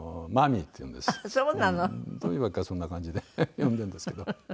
どういうわけかそんな感じで呼んでるんですけど。